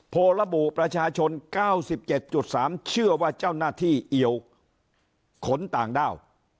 โพระบู่ประชาชนเก้าสิบเจ็ดจุดสามเชื่อว่าเจ้าหน้าที่เอียวขนต่างด้าว